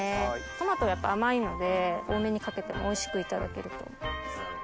トマトやっぱ甘いので多めにかけてもおいしくいただけると思います。